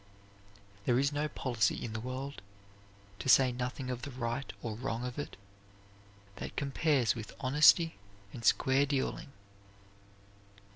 There is no policy in the world, to say nothing of the right or wrong of it, that compares with honesty and square dealing.